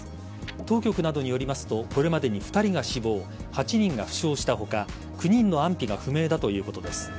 当局などによりますとこれまでに２人が死亡８人が負傷した他９人の安否が不明だということです。